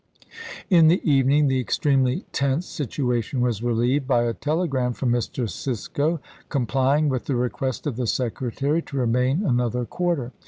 In the evening the extremely tense situation was relieved by a telegram from Mr. Cisco complying with the request of the Secretary to remain another quarter.